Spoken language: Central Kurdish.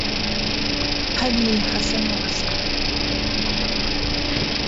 هەوی حەسن و حوسێن